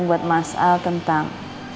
buat mas al tentang